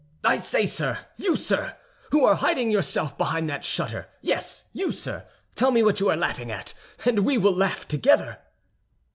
"I say, sir, you sir, who are hiding yourself behind that shutter—yes, you, sir, tell me what you are laughing at, and we will laugh together!"